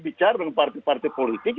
bicara dengan partai partai politik